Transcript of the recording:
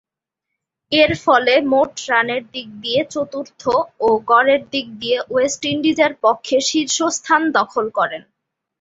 এরফলে মোট রানের দিক দিয়ে চতুর্থ ও গড়ের দিক দিয়ে ওয়েস্ট ইন্ডিজের পক্ষে শীর্ষস্থান দখল করেন।